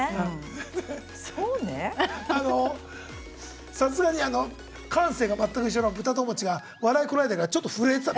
あのさすがにあの感性が全く一緒のブタともちが笑いこらえてるからちょっと震えてた。